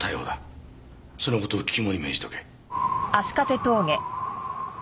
その事を肝に銘じておけ。